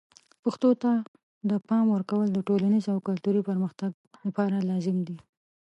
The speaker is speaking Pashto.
پښتو ته د پام ورکول د ټولنیز او کلتوري پرمختګ لپاره لازم دي.